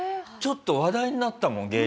ちょっと話題になったもん